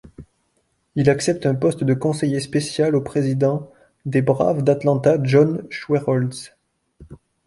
Il accepte un poste de conseiller spécial au président des Braves d'Atlanta John Schuerholz.